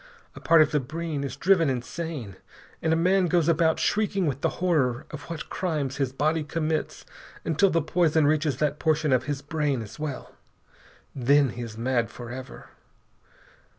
A part of the brain is driven insane, and a man goes about shrieking with the horror of what crimes his body commits until the poison reaches that portion of his brain as well. Then he is mad forever.